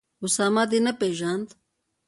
اسامه دي نه پېژاند